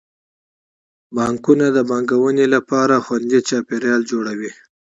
بانکونه د پانګونې لپاره خوندي چاپیریال جوړوي.